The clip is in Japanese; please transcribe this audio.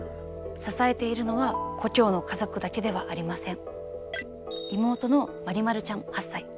支えているのは故郷の家族だけではありません。